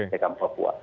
di sekam papua